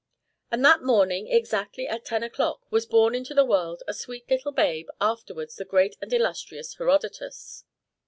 And that morning, exactly at ten o'clock, was born into the world a sweet little babe, afterwards the great and illustrious Herodotus.